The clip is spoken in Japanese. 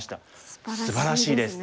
すばらしいですね。